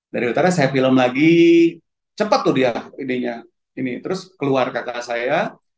dari utara saya film lagi cepet tuh dia idenya ini terus keluar kakak saya